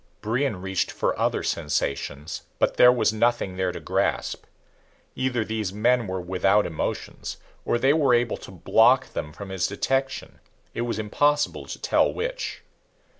Brion reached for other sensations, but there was nothing there to grasp. Either these men were without emotions, or they were able to block them from his detection; it was impossible to tell which.